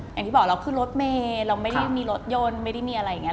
อย่างที่บอกเราขึ้นรถเมย์เราไม่ได้มีรถยนต์ไม่ได้มีอะไรอย่างนี้